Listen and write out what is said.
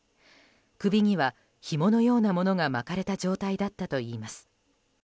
首にはひものようなものが巻かれた状態だったといいます。